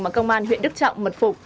mà công an huyện đức trọng mật phục